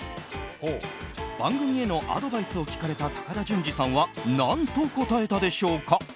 番組へのアドバイスを聞かれた高田純次さんは何と答えたでしょうか？